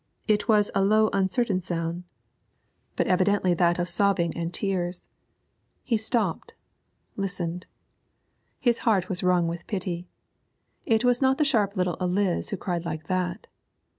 It was a low uncertain sound, but evidently that of sobbing and tears. He stopped, listened; his heart was wrung with pity. It was not the sharp little Eliz who cried like that!